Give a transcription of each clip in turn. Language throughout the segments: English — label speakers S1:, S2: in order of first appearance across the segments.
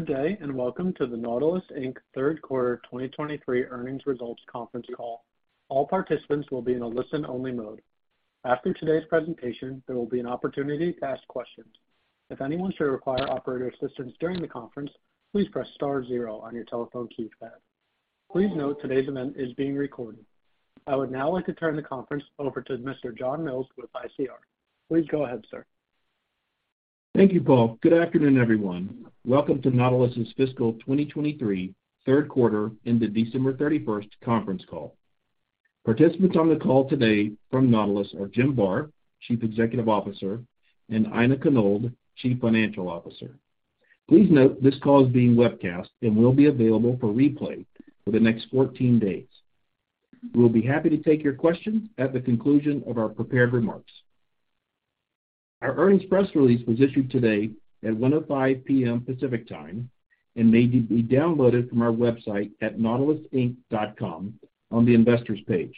S1: Good day, and welcome to the Nautilus, Inc. third quarter 2023 earnings results conference call. All participants will be in a listen-only mode. After today's presentation, there will be an opportunity to ask questions. If anyone should require operator assistance during the conference, please press star zero on your telephone keypad. Please note today's event is being recorded. I would now like to turn the conference over to Mr. John Mills with ICR. Please go ahead, sir.
S2: Thank you, Paul. Good afternoon, everyone. Welcome to Nautilus's fiscal 2023 third quarter and the December 31st conference call. Participants on the call today from Nautilus are Jim Barr, Chief Executive Officer, and Aina Konold, Chief Financial Officer. Please note this call is being webcast and will be available for replay for the next 14 days. We'll be happy to take your questions at the conclusion of our prepared remarks. Our earnings press release was issued today at 1:05 P.M. Pacific Time and may be downloaded from our website at nautilusinc.com on the Investors page.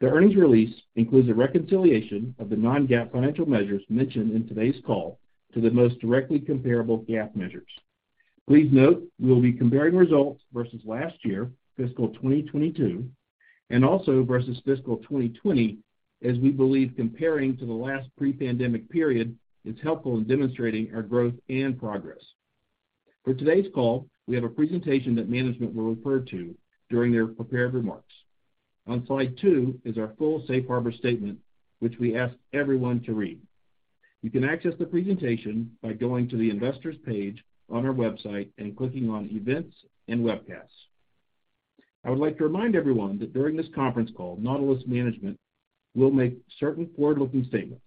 S2: The earnings release includes a reconciliation of the non-GAAP financial measures mentioned in today's call to the most directly comparable GAAP measures. Please note we will be comparing results versus last year, fiscal 2022, and also versus fiscal 2020 as we believe comparing to the last pre-pandemic period is helpful in demonstrating our growth and progress. For today's call, we have a presentation that management will refer to during their prepared remarks. On slide two is our full safe harbor statement, which we ask everyone to read. You can access the presentation by going to the Investors page on our website and clicking on Events and Webcasts. I would like to remind everyone that during this conference call, Nautilus management will make certain forward-looking statements.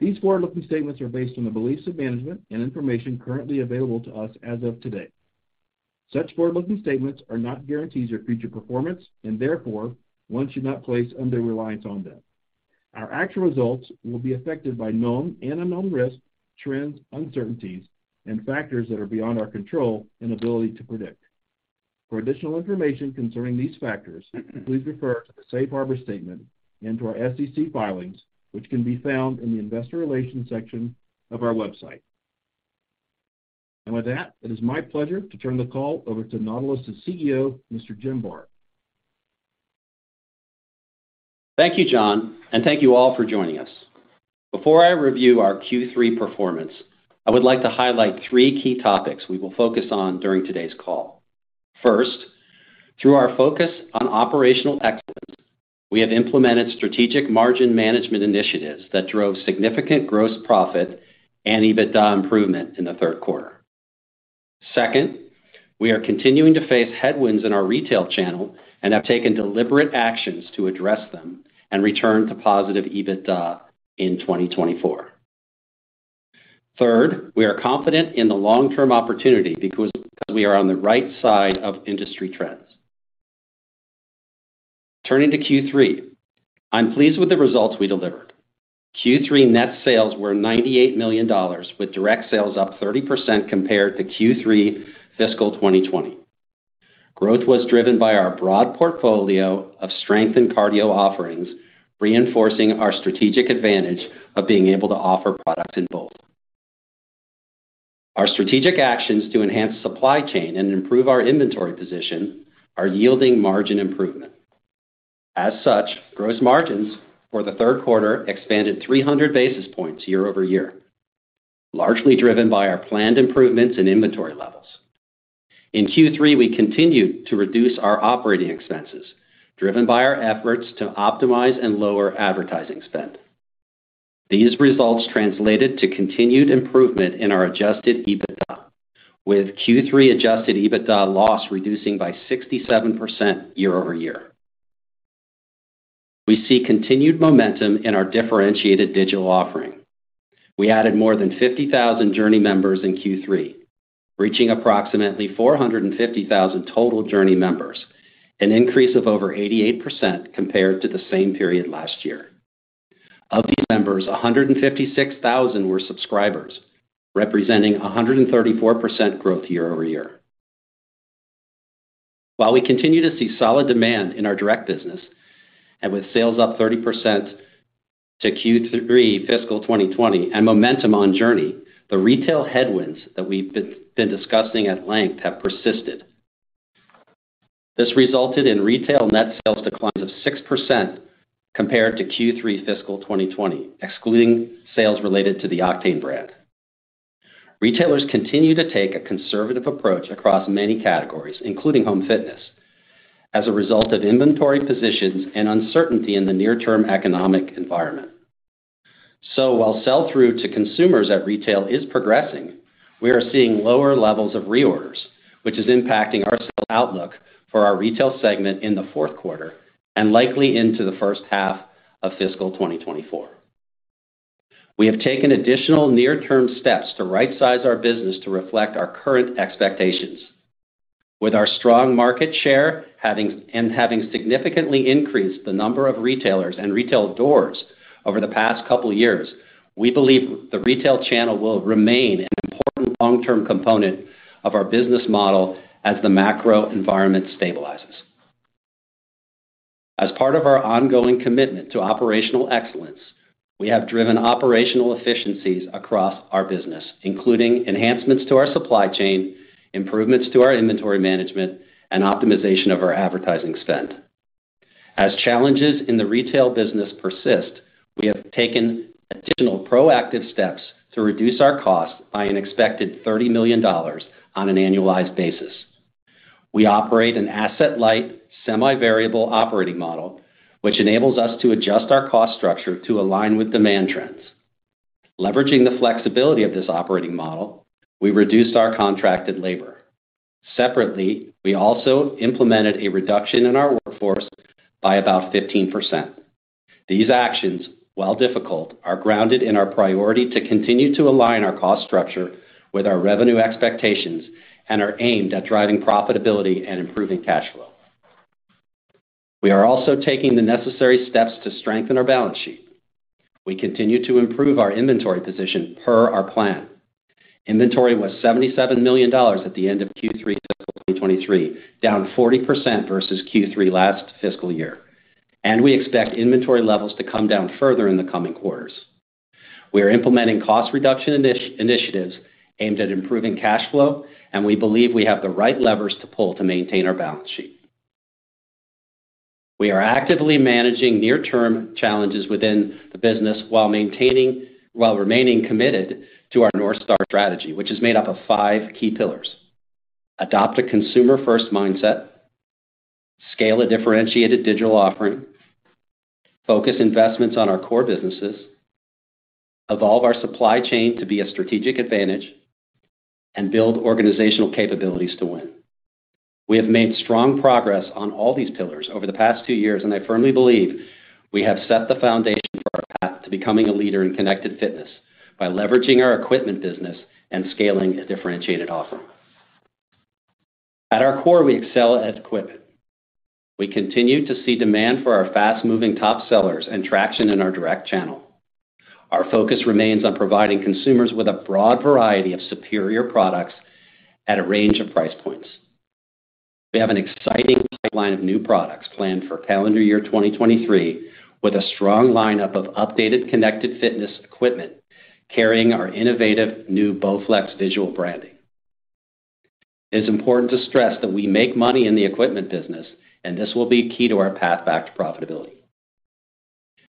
S2: These forward-looking statements are based on the beliefs of management and information currently available to us as of today. Such forward-looking statements are not guarantees of future performance, and therefore, one should not place under reliance on them. Our actual results will be affected by known and unknown risks, trends, uncertainties, and factors that are beyond our control and ability to predict. For additional information concerning these factors, please refer to the safe harbor statement and to our SEC filings, which can be found in the Investor Relations section of our website. With that, it is my pleasure to turn the call over to Nautilus's CEO, Mr. Jim Barr.
S3: Thank you, John. Thank you all for joining us. Before I review our Q3 performance, I would like to highlight three key topics we will focus on during today's call. First, through our focus on operational excellence, we have implemented strategic margin management initiatives that drove significant gross profit and EBITDA improvement in the third quarter. Second, we are continuing to face headwinds in our retail channel and have taken deliberate actions to address them and return to positive EBITDA in 2024. Third, we are confident in the long-term opportunity because we are on the right side of industry trends. Turning to Q3, I'm pleased with the results we delivered. Q3 net sales were $98 million, with direct sales up 30% compared to Q3 fiscal 2020. Growth was driven by our broad portfolio of strength in cardio offerings, reinforcing our strategic advantage of being able to offer products in both. Our strategic actions to enhance supply chain and improve our inventory position are yielding margin improvement. Gross margins for the third quarter expanded 300 basis points year-over-year, largely driven by our planned improvements in inventory levels. In Q3, we continued to reduce our operating expenses, driven by our efforts to optimize and lower advertising spend. These results translated to continued improvement in our adjusted EBITDA, with Q3 adjusted EBITDA loss reducing by 67% year-over-year. We see continued momentum in our differentiated digital offering. We added more than 50,000 JRNY members in Q3, reaching approximately 450,000 total JRNY members, an increase of over 88% compared to the same period last year. Of these members, 156,000 were subscribers, representing 134% growth year-over-year. While we continue to see solid demand in our direct business, and with sales up 30% to Q3 fiscal 2020 and momentum on JRNY, the retail headwinds that we've been discussing at length have persisted. This resulted in retail net sales decline of 6% compared to Q3 fiscal 2020, excluding sales related to the Octane brand. Retailers continue to take a conservative approach across many categories, including home fitness, as a result of inventory positions and uncertainty in the near-term economic environment. While sell-through to consumers at retail is progressing, we are seeing lower levels of reorders, which is impacting our sales outlook for our retail segment in the fourth quarter and likely into the first half of fiscal 2024. We have taken additional near-term steps to right-size our business to reflect our current expectations. With our strong market share and having significantly increased the number of retailers and retail doors over the past two years, we believe the retail channel will remain an important long-term component of our business model as the macro environment stabilizes. As part of our ongoing commitment to operational excellence, we have driven operational efficiencies across our business, including enhancements to our supply chain, improvements to our inventory management, and optimization of our advertising spend. As challenges in the retail business persist, we have taken additional proactive steps to reduce our costs by an expected $30 million on an annualized basis. We operate an asset-light, semi-variable operating model, which enables us to adjust our cost structure to align with demand trends. Leveraging the flexibility of this operating model, we reduced our contracted labor. Separately, we also implemented a reduction in our workforce by about 15%. These actions, while difficult, are grounded in our priority to continue to align our cost structure with our revenue expectations and are aimed at driving profitability and improving cash flow. We are also taking the necessary steps to strengthen our balance sheet. We continue to improve our inventory position per our plan. Inventory was $77 million at the end of Q3 fiscal 2023, down 40% versus Q3 last fiscal year, and we expect inventory levels to come down further in the coming quarters. We are implementing cost reduction initiatives aimed at improving cash flow, and we believe we have the right levers to pull to maintain our balance sheet. We are actively managing near-term challenges within the business while remaining committed to our North Star strategy, which is made up of five key pillars: adopt a consumer-first mindset, scale a differentiated-digital offering, focus investments on our core businesses, evolve our supply chain to be a strategic advantage, and build organizational capabilities to win. We have made strong progress on all these pillars over the past two years, and I firmly believe we have set the foundation for our path to becoming a leader in connected fitness by leveraging our equipment business and scaling a differentiated offering. At our core, we excel at equipment. We continue to see demand for our fast-moving top sellers and traction in our direct channel. Our focus remains on providing consumers with a broad variety of superior products at a range of price points. We have an exciting pipeline of new products planned for calendar year 2023, with a strong lineup of updated connected fitness equipment carrying our innovative new BowFlex visual branding. It is important to stress that we make money in the equipment business, and this will be key to our path back to profitability.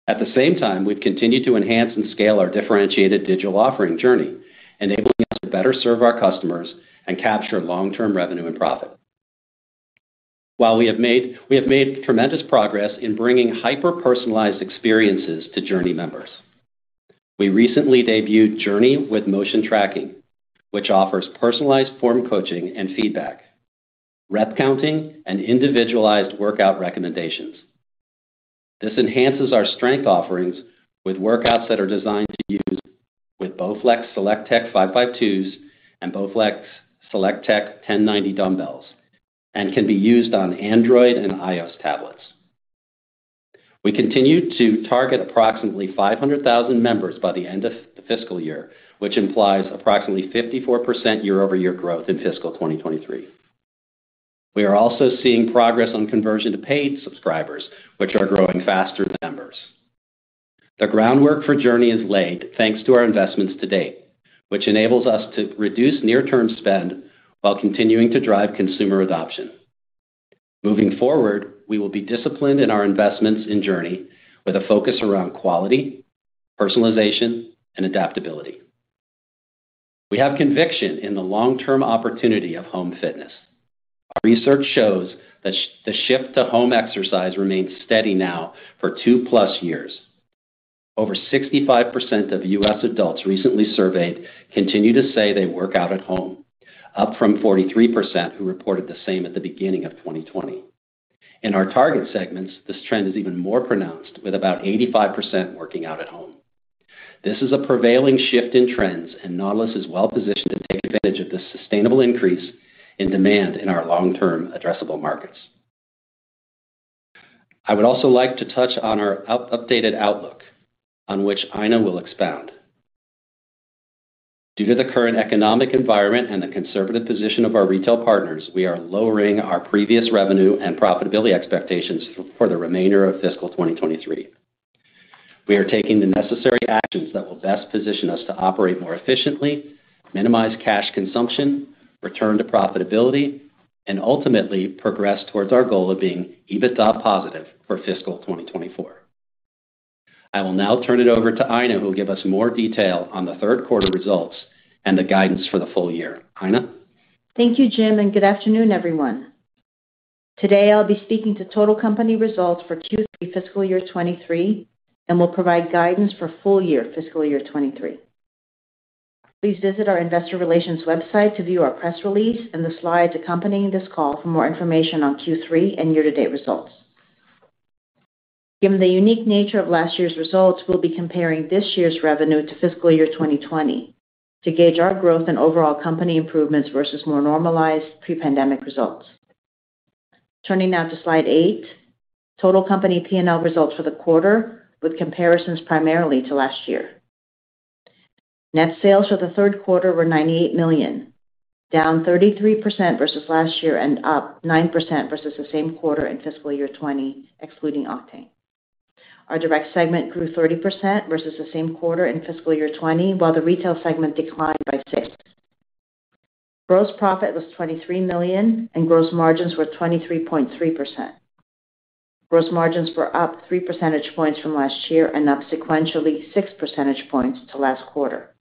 S3: At the same time, we've continued to enhance and scale our differentiated digital offering JRNY, enabling us to better serve our customers and capture long-term revenue and profit. While we have made tremendous progress in bringing hyper-personalized experiences to JRNY members. We recently debuted JRNY with motion-tracking, which offers personalized form-coaching and feedback, rep-counting, and individualized workout recommendations. This enhances our strength offerings with workouts that are designed to use with BowFlex SelectTech 552 and BowFlex SelectTech 1090 dumbbells and can be used on Android and iOS tablets. We continue to target approximately 500,000 members by the end of the fiscal year, which implies approximately 54% year-over-year growth in fiscal 2023. We are also seeing progress on conversion to paid subscribers, which are growing faster than members. The groundwork for JRNY is laid thanks to our investments to-date, which enables us to reduce near-term spend while continuing to drive consumer adoption. Moving forward, we will be disciplined in our investments in JRNY with a focus around quality, personalization, and adaptability. We have conviction in the long-term opportunity of home fitness. Our research shows that the shift to home exercise remains steady now for 2+ years. Over 65% of U.S. adults recently surveyed continue to say they work out at home, up from 43% who reported the same at the beginning of 2020. In our target segments, this trend is even more pronounced, with about 85% working out at home. This is a prevailing shift in trends, and Nautilus is well positioned to take advantage of this sustainable increase in demand in our long-term addressable markets. I would also like to touch on our updated outlook, on which Aina will expound. Due to the current economic environment and the conservative position of our retail partners, we are lowering our previous revenue and profitability expectations for the remainder of fiscal 2023. We are taking the necessary actions that will best position us to operate more efficiently, minimize cash consumption, return to profitability, and ultimately progress towards our goal of being EBITDA positive for fiscal 2024. I will now turn it over to Aina, who will give us more detail on the third quarter results and the guidance for the full year. Aina?
S4: Thank you, Jim. Good afternoon, everyone. Today, I'll be speaking to total company results for Q3 fiscal year 2023 and will provide guidance for full year fiscal year 2023. Please visit our Investor Relations website to view our press release and the slides accompanying this call for more information on Q3 and year-to-date results. Given the unique nature of last year's results, we'll be comparing this year's revenue to fiscal year 2020 to gauge our growth and overall company improvements versus more normalized pre-pandemic results. Turning now to slide eight, total company P&L results for the quarter, with comparisons primarily to last year. Net sales for the third quarter were $98 million, down 33% versus last year and up 9% versus the same quarter in fiscal year 2020, excluding Octane. Our direct segment grew 30% versus the same quarter in fiscal year 2020, while the retail segment declined by 6%. Gross profit was $23 million and gross margins were 23.3%. Gross margins were up 3 percentage points from last year and up sequentially 6 percentage points to last quarter.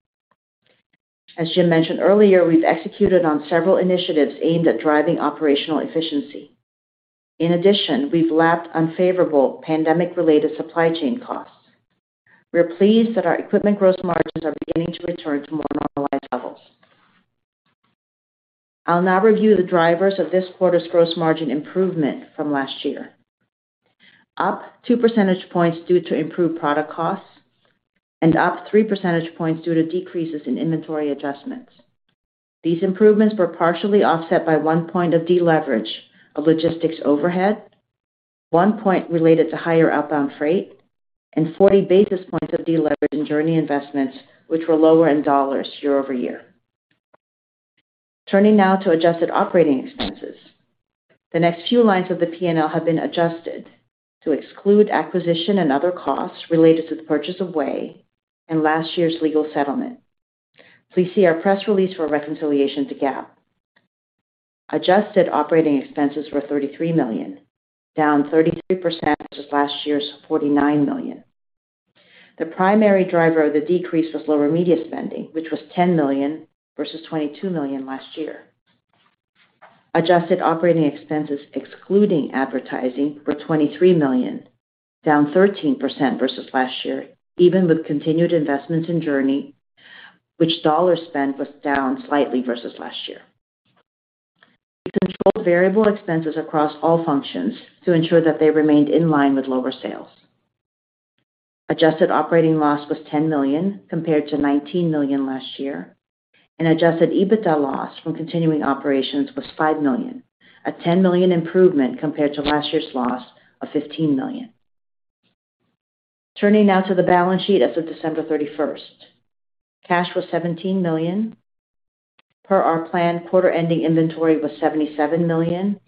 S4: As Jim mentioned earlier, we've executed on several initiatives aimed at driving operational efficiency. We've lapped unfavorable pandemic-related supply chain costs. We are pleased that our equipment gross margins are beginning to return to more normalized levels. I'll now review the drivers of this quarter's gross margin improvement from last year. Up 2 percentage points due to improved product costs and up 3 percentage points due to decreases in inventory adjustments. These improvements were partially offset by 1 point of deleverage of logistics overhead, 1 point related to higher outbound freight, and 40 basis points of deleverage in JRNY investments, which were lower in dollars year-over-year. Turning now to adjusted operating expenses. The next few lines of the P&L have been adjusted to exclude acquisition and other costs related to the purchase of VAY and last year's legal settlement. Please see our press release for a reconciliation to GAAP. Adjusted operating expenses were $33 million, down 33% versus last year's $49 million. The primary driver of the decrease was lower media spending, which was $10 million versus $22 million last year. Adjusted operating expenses excluding advertising were $23 million, down 13% versus last year, even with continued investments in JRNY, which dollar spend was down slightly versus last year. We controlled variable expenses across all functions to ensure that they remained in line with lower sales. adjusted operating loss was $10 million compared to $19 million last year, and adjusted EBITDA loss from continuing operations was $5 million, a $10 million improvement compared to last year's loss of $15 million. Turning now to the balance sheet as of December 31st. Cash was $17 million. Per our plan, quarter-ending inventory was $77 million,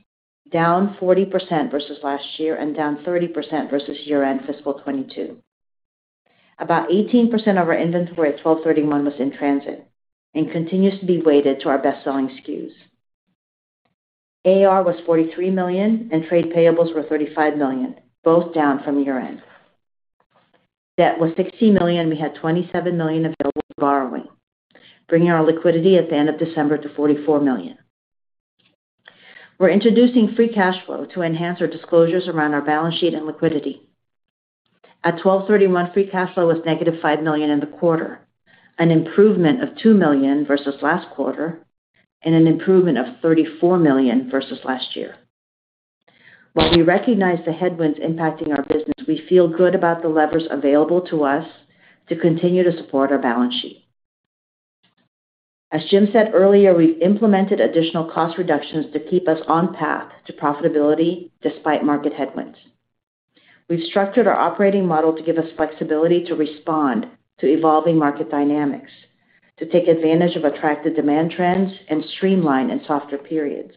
S4: down 40% versus last year and down 30% versus year-end fiscal 2022. About 18% of our inventory at 12/31 was in transit and continues to be weighted to our best-selling SKUs. AR was $43 million, and trade payables were $35 million, both down from year-end. Debt was $16 million. We had $27 million available for borrowing, bringing our liquidity at the end of December to $44 million. We're introducing free cash flow to enhance our disclosures around our balance sheet and liquidity. At 12/31, free cash flow was -$5 million in the quarter, an improvement of $2 million versus last quarter, and an improvement of $34 million versus last year. While we recognize the headwinds impacting our business, we feel good about the levers available to us to continue to support our balance sheet. As Jim said earlier, we've implemented additional cost reductions to keep us on path to profitability despite market headwinds. We've structured our operating model to give us flexibility to respond to evolving market dynamics, to take advantage of attractive-demand trends, and streamline in softer periods.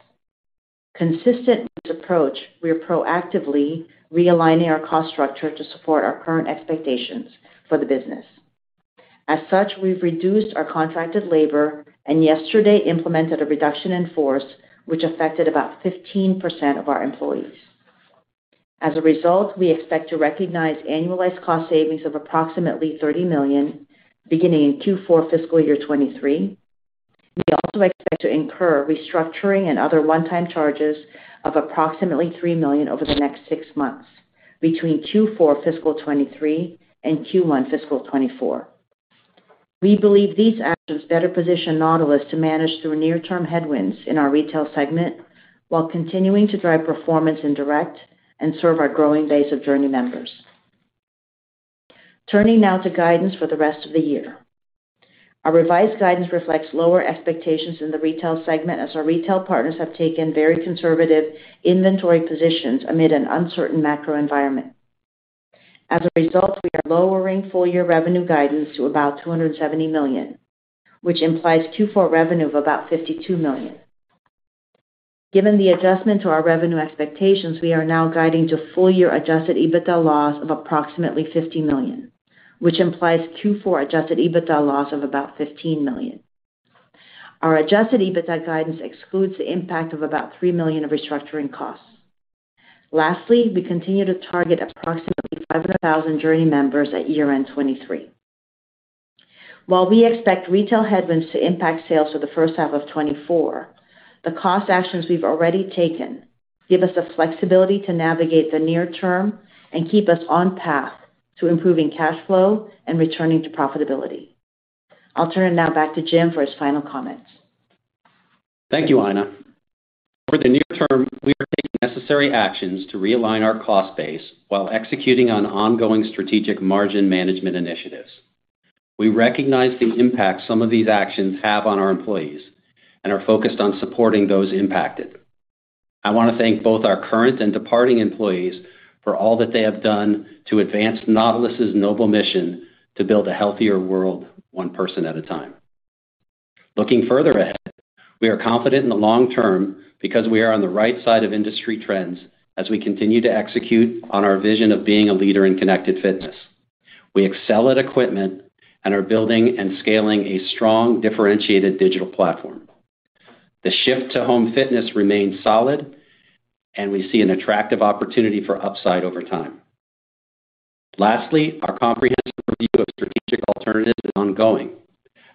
S4: Consistent with this approach, we are proactively realigning our cost structure to support our current expectations for the business. As such, we've reduced our contracted labor and yesterday implemented a reduction in force which affected about 15% of our employees. As a result, we expect to recognize annualized cost savings of approximately $30 million beginning in Q4 fiscal year 2023. We also expect to incur restructuring and other one-time charges of approximately $3 million over the next six months between Q4 fiscal 2023 and Q1 fiscal 2024. We believe these actions better position Nautilus to manage through near-term headwinds in our retail segment while continuing to drive performance in direct and serve our growing base of JRNY members. Turning now to guidance for the rest of the year. Our revised guidance reflects lower expectations in the retail segment as our retail partners have taken very conservative inventory positions amid an uncertain macro environment. As a result, we are lowering full-year revenue guidance to about $270 million, which implies Q4 revenue of about $52 million. Given the adjustment to our revenue expectations, we are now guiding to full-year adjusted EBITDA loss of approximately $50 million, which implies Q4 adjusted EBITDA loss of about $15 million. Our adjusted EBITDA guidance excludes the impact of about $3 million of restructuring costs. Lastly, we continue to target approximately 500,000 JRNY members at year-end 2023. While we expect retail headwinds to impact sales for the first half of 2024, the cost actions we've already taken give us the flexibility to navigate the near-term and keep us on path to improving cash flow and returning to profitability. I'll turn it now back to Jim for his final comments.
S3: Thank you, Aina. For the near-term, we are taking necessary actions to realign our cost base while executing on ongoing strategic margin management initiatives. We recognize the impact some of these actions have on our employees and are focused on supporting those impacted. I wanna thank both our current and departing employees for all that they have done to advance Nautilus' noble mission to build a healthier-world one person at a time. Looking further ahead, we are confident in the long-term because we are on the right side of industry trends as we continue to execute on our vision of being a leader in connected fitness. We excel at equipment and are building and scaling a strong, differentiated digital platform. The shift-to-home fitness remains solid, and we see an attractive opportunity for upside over time. Lastly, our comprehensive review of strategic alternatives is ongoing,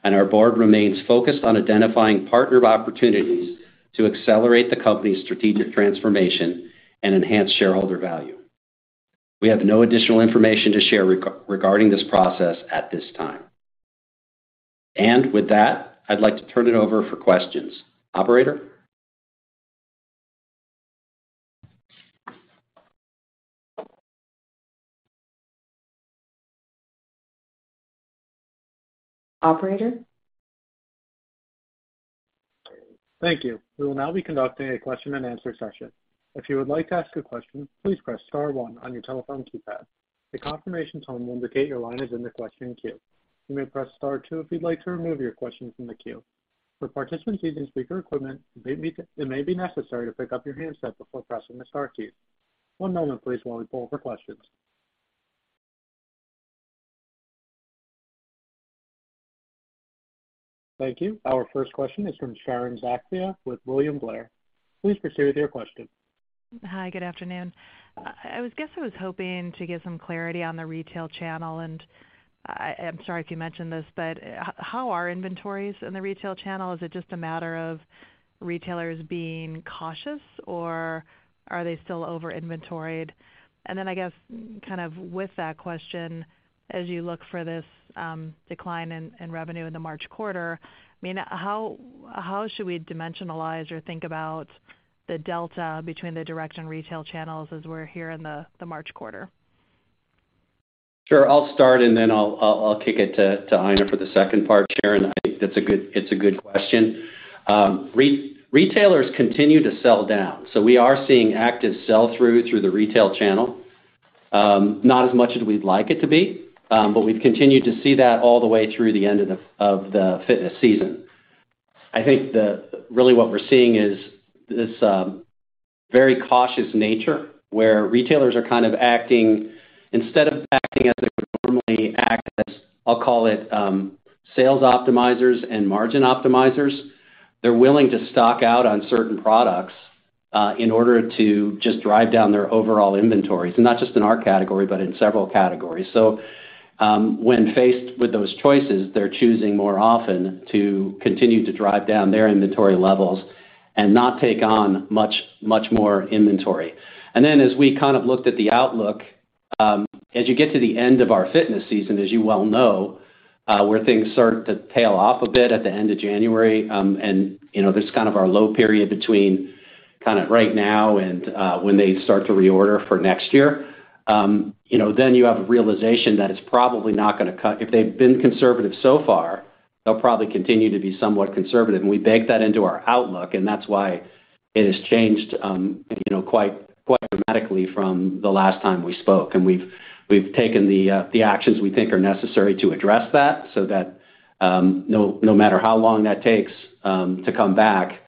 S3: and our board remains focused on identifying partner opportunities to accelerate the company's strategic transformation and enhance shareholder value. We have no additional information to share regarding this process at this time. With that, I'd like to turn it over for questions. Operator?
S4: Operator?
S1: Thank you. We will now be conducting a question-and-answer session. If you would like to ask a question, please press star one on your telephone keypad. A confirmation tone will indicate your line is in the question queue. You may press star two if you'd like to remove your question from the queue. For participants using speaker equipment, it may be necessary to pick up your handset before pressing the star key. One moment, please, while we poll for questions. Thank you. Our first question is from Sharon Zackfia with William Blair. Please proceed with your question.
S5: Hi, good afternoon. I guess I was hoping to get some clarity on the retail channel. I'm sorry if you mentioned this, but how are inventories in the retail channel? Is it just a matter of retailers being cautious, or are they still over-inventoried? I guess kind of with that question, as you look for this decline in revenue in the March quarter, I mean, how should we dimensionalize or think about the delta between the direct and retail channels as we're here in the March quarter?
S3: Sure. I'll start, and then I'll kick it to Aina for the second part, Sharon. I think that's a good question. re-retailers continue to sell down, so we are seeing active sell-through through the retail channel. not as much as we'd like it to be, but we've continued to see that all the way through the end of the fitness season. I think really what we're seeing is this very cautious nature where retailers are kind of acting, instead of acting as they would normally act as, I'll call it, sales-optimizers and margin-optimizers. They're willing to stock out on certain products in order to just drive down their overall inventories, and not just in our category, but in several categories. When faced with those choices, they're choosing more often to continue to drive down their inventory levels and not take on much more inventory. As we kind of looked at the outlook, as you get to the end of our fitness season, as you well know, where things start to tail off a bit at the end of January, and, you know, there's kind of our low period between kind of right now and, when they start to reorder for next year, you know, then you have a realization that it's probably not gonna cut. If they've been conservative so far, they'll probably continue to be somewhat conservative, and we bake that into our outlook, and that's why it has changed, you know, quite dramatically from the last time we spoke. We've taken the actions we think are necessary to address that so that no matter how long that takes to come back,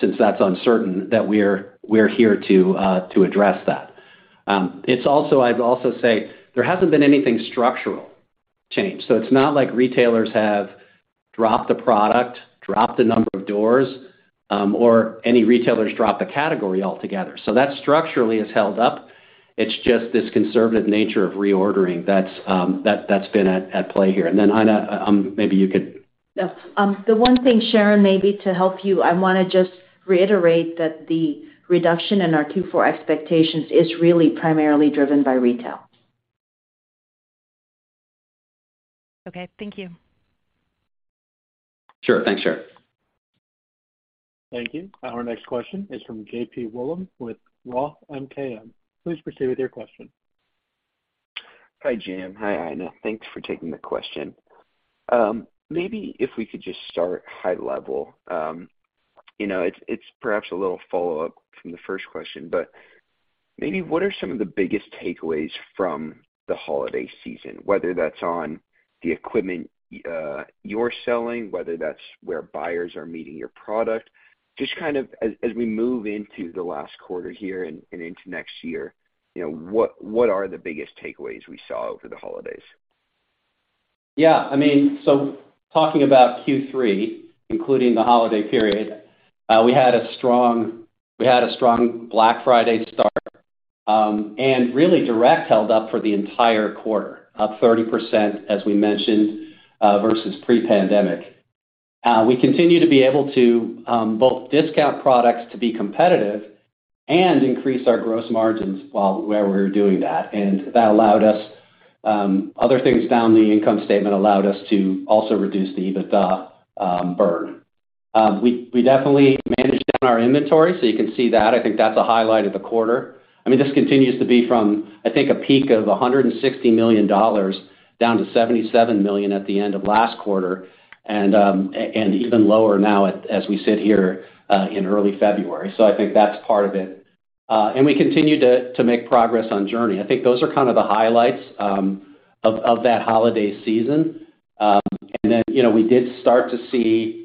S3: since that's uncertain, that we're here to address that. It's also, I'd also say there hasn't been anything structural change, so it's not like retailers have dropped a product, dropped a number of doors, or any retailers dropped a category altogether. That structurally has held up. It's just this conservative nature of reordering that's been at play here. Aina, maybe you could-
S4: The one thing, Sharon, maybe to help you, I wanna just reiterate that the reduction in our Q4 expectations is really primarily driven by retail.
S5: Okay. Thank you.
S3: Sure. Thanks, Sharon.
S1: Thank you. Our next question is from JP Wollam with Roth MKM. Please proceed with your question.
S6: Hi, Jim. Hi, Aina. Thanks for taking the question. Maybe if we could just start high level, you know, it's perhaps a little follow-up from the first question, but maybe what are some of the biggest takeaways from the holiday season, whether that's on the equipment, you're selling, whether that's where buyers are meeting your product? Just kind of as we move into the last quarter here and into next year, you know, what are the biggest takeaways we saw over the holidays?
S3: I mean, talking about Q3, including the holiday period, we had a strong Black-Friday start, really direct held up for the entire quarter, up 30% as we mentioned, versus pre-pandemic. We continue to be able to both discount products to be competitive and increase our gross margins while where we're doing that allowed us, other things down the income statement allowed us to also reduce the EBITDA burn. We definitely managed down our inventory, you can see that. I think that's a highlight of the quarter. I mean, this continues to be from, I think, a peak of $160 million down to $77 million at the end of last quarter, even lower now as we sit here in early February. I think that's part of it, and we continue to make progress on JRNY. I think those are kind of the highlights of that holiday season. You know, we did start to see,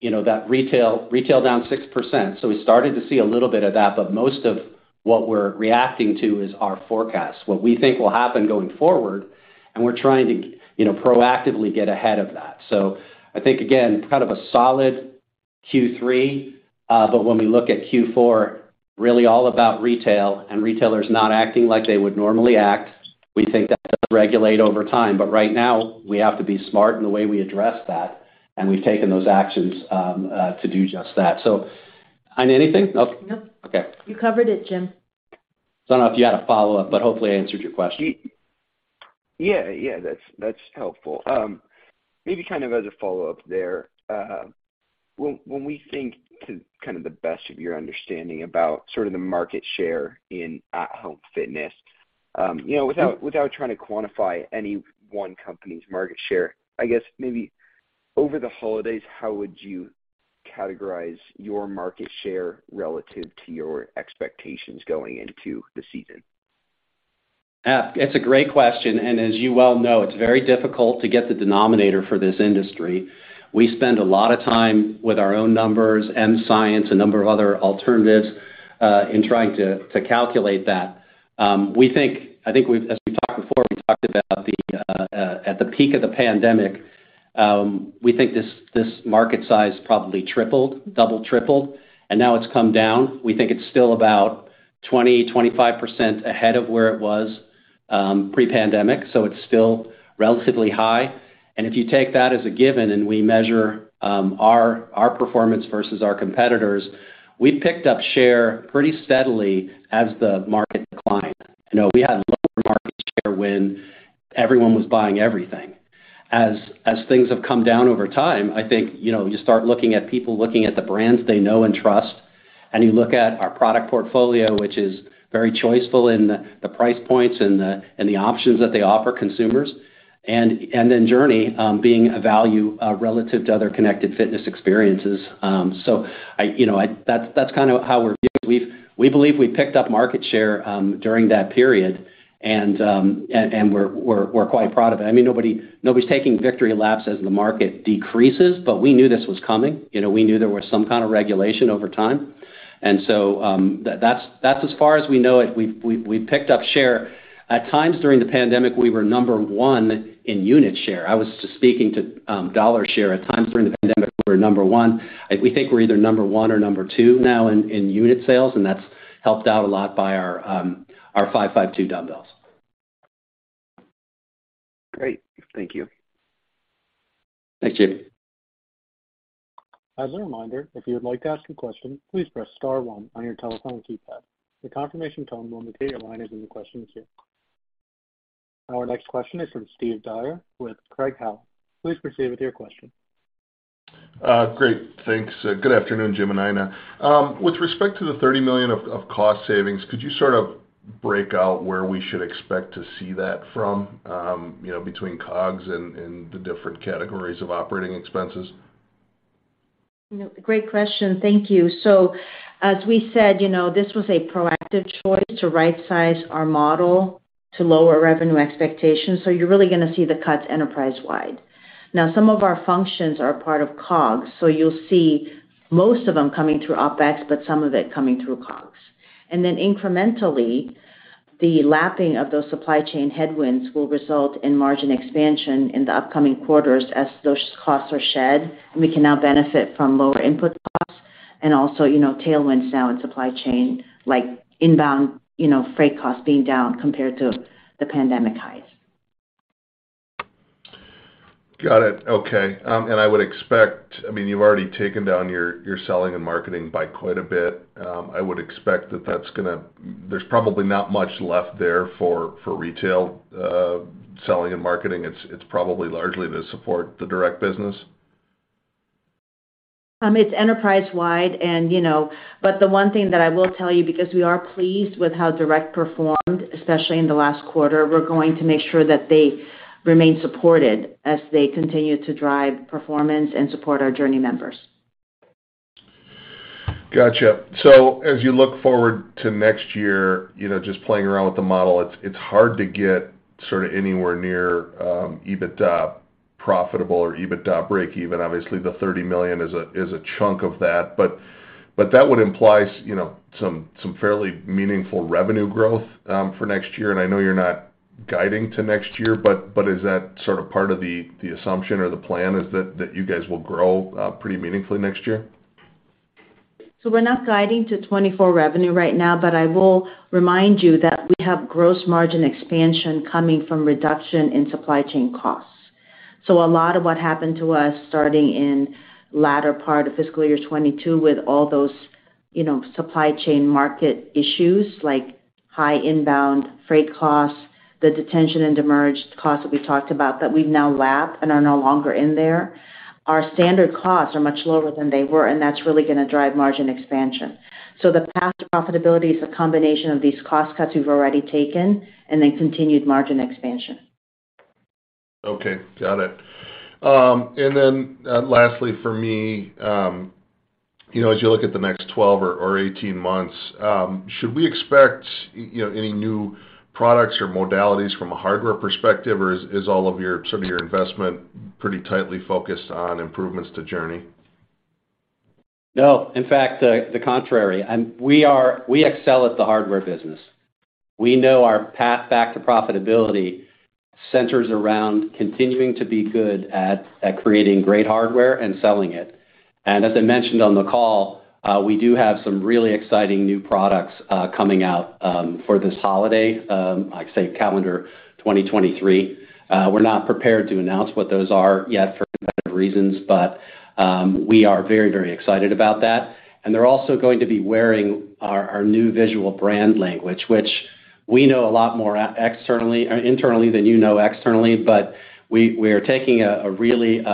S3: you know, that retail down 6%. We started to see a little bit of that, but most of what we're reacting to is our forecast, what we think will happen going forward, and we're trying to, you know, proactively get ahead of that. I think again, kind of a solid Q3, but when we look at Q4, really all about retail and retailers not acting like they would normally act. We think that does regulate over time. Right now, we have to be smart in the way we address that, and we've taken those actions to do just that. Aina, anything? Nope.
S4: Nope.
S3: Okay.
S4: You covered it, Jim.
S3: Don't know if you had a follow-up, but hopefully I answered your question.
S6: Yeah, yeah. That's, that's helpful. maybe kind of as a follow-up there, when we think to kind of the best of your understanding about sort of the market share in at-home fitness, you know, without trying to quantify any one company's market share, I guess maybe over the holidays, how would you categorize your market share relative to your expectations going into the season?
S3: It's a great question, as you well know, it's very difficult to get the denominator for this industry. We spend a lot of time with our own numbers and science, a number of other alternatives, in trying to calculate that. I think as we've talked before, we talked about the at the peak of the pandemic, we think this market size probably tripled, double, tripled, and now it's come down. We think it's still about 20%, 25% ahead of where it was pre-pandemic, so it's still relatively high. If you take that as a given and we measure our performance versus our competitors, we picked up share pretty steadily as the market declined. You know, we had lower market share when everyone was buying everything. As things have come down over time, I think, you know, you start looking at people looking at the brands they know and trust, and you look at our product portfolio, which is very choiceful in the price points and the options that they offer consumers, and then JRNY being a value relative to other connected fitness experiences. I, you know, I, that's kind of how we're. We believe we picked up market share during that period and we're quite proud of it. I mean, nobody's taking victory laps as the market decreases, but we knew this was coming. You know, we knew there was some kind of regulation over time. That's as far as we know it. We've picked up share. At times during the pandemic, we were number one in unit share. I was just speaking to dollar share. At times during the pandemic, we were number one. We think we're either number one or number two now in unit sales, and that's helped out a lot by our 552 dumbbells.
S6: Great. Thank you.
S3: Thanks, JP.
S1: As a reminder, if you would like to ask a question, please press star one on your telephone keypad. The confirmation tone will indicate your line is in the question queue. Our next question is from Steve Dyer with Craig-Hallum. Please proceed with your question.
S7: Great. Thanks. Good afternoon, Jim and Aina. With respect to the $30 million of cost savings, could you sort of break out where we should expect to see that from, you know, between COGS and the different categories of operating expenses?
S4: You know, great question. Thank you. As we said, you know, this was a proactive choice to right-size our model to lower revenue expectations. You're really gonna see the cuts enterprise-wide. Now, some of our functions are part of COGS, so you'll see most of them coming through OpEx, but some of it coming through COGS. Incrementally, the lapping of those supply chain headwinds will result in margin expansion in the upcoming quarters as those costs are shed, and we can now benefit from lower input costs and also, you know, tailwinds now in supply chain, like inbound, you know, freight costs being down compared to the pandemic highs.
S7: Got it. Okay. I mean, you've already taken down your selling and marketing by quite a bit. I would expect that that's going to there's probably not much left there for retail selling and marketing. It's probably largely to support the direct business.
S4: It's enterprise-wide and, you know. The one thing that I will tell you, because we are pleased with how direct performed, especially in the last quarter, we're going to make sure that they remain supported as they continue to drive performance and support our JRNY members.
S7: Gotcha. As you look forward to next year, you know, just playing around with the model, it's hard to get sort of anywhere near EBITDA profitable or EBITDA breakeven. Obviously, the $30 million is a, is a chunk of that. That would imply you know, some fairly meaningful revenue growth for next year. I know you're not guiding to next year, is that sort of part of the assumption or the plan is that you guys will grow pretty meaningfully next year?
S4: We're not guiding to 2024 revenue right now, but I will remind you that we have gross margin expansion coming from reduction in supply chain costs. A lot of what happened to us starting in latter part of fiscal year 2022 with all those, you know, supply chain market issues like high-inbound freight costs, the detention and demurrage costs that we talked about that we now lap and are no longer in there, our standard costs are much lower than they were, and that's really gonna drive margin expansion. The path to profitability is a combination of these cost cuts we've already taken and then continued margin expansion.
S7: Okay, got it. Lastly for me, you know, as you look at the next 12 or 18 months, should we expect, you know, any new products or modalities from a hardware perspective? Or is all of your sort of your investment pretty tightly focused on improvements to JRNY?
S3: No, in fact, the contrary. We excel at the hardware business. We know our path back to profitability centers around continuing to be good at creating great hardware and selling it. As I mentioned on the call, we do have some really exciting new products coming out for this holiday, like say calendar 2023. We're not prepared to announce what those are yet for a couple of reasons, but we are very, very excited about that. They're also going to be wearing our new visual brand language, which we know a lot more at externally internally than you know externally. We are taking a really...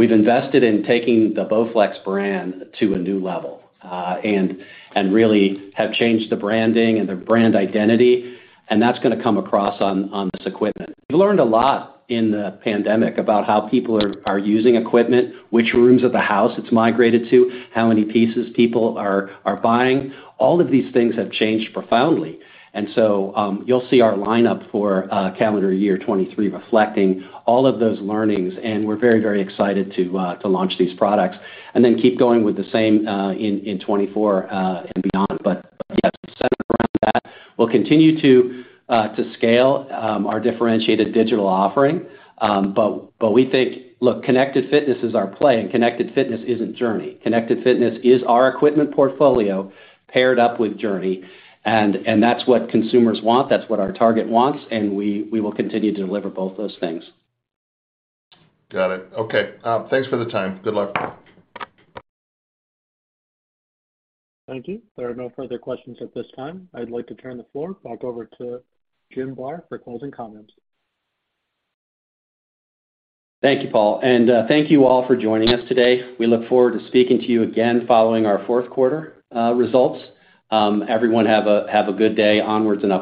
S3: We've invested in taking the BowFlex brand to a new level, and really have changed the branding and the brand identity, and that's gonna come across on this equipment. We've learned a lot in the pandemic about how people are using equipment, which rooms of the house it's migrated to, how many pieces people are buying. All of these things have changed profoundly. You'll see our lineup for calendar year 2023 reflecting all of those learnings, and we're very excited to launch these products and then keep going with the same in 2024 and beyond. Yeah, centered around that. We'll continue to scale our differentiated-digital offering. We think, look, connected fitness is our play, and connected fitness isn't JRNY. Connected fitness is our equipment portfolio paired up with JRNY and that's what consumers want, that's what our target wants, and we will continue to deliver both those things.
S7: Got it. Okay. Thanks for the time. Good luck.
S1: Thank you. There are no further questions at this time. I'd like to turn the floor back over to Jim Barr for closing comments.
S3: Thank you, Paul, thank you all for joining us today. We look forward to speaking to you again following our fourth quarter results. Everyone have a good day onwards and upwards.